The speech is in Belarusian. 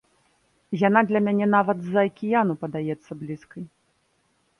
Яна для мяне нават з-за акіяну падаецца блізкай.